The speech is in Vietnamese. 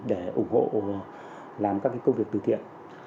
để ủng hộ làm các công việc từ thiện